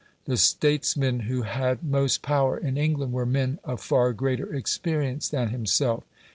The statesmen who had most power in England were men of far greater experience than himself.